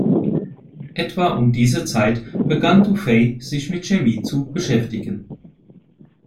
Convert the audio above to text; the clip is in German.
Etwa um diese Zeit begann du Fay sich mit Chemie zu beschäftigen.